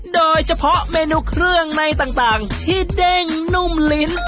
โดยเฉพาะเมนูเครื่องในต่างที่เด้งนุ่มลิ้น